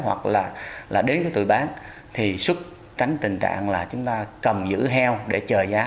hoặc là đến cái tuổi bán thì sức tránh tình trạng là chúng ta cầm giữ heo để chờ giá